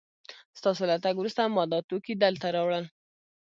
ستاسو له تګ وروسته ما دا توکي دلته راوړل